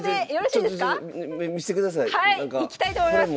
いきたいと思います。